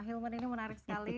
hilman ini menarik sekali